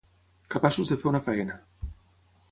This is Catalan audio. Capaços de fer una feina.